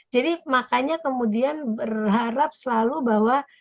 jadi makanya kemudian berharap selalu bahwa